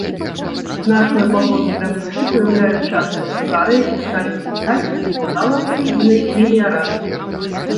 Значную пагрозу для птушак ўяўляюць частыя пажары, якія сталі ўзнікаць з-за няўдала праведзенай меліярацыі.